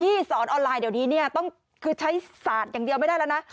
สอนออนไลน์เดี๋ยวนี้เนี่ยต้องคือใช้ศาสตร์อย่างเดียวไม่ได้แล้วนะ